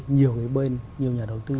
nhiều người bên nhiều nhà đầu tư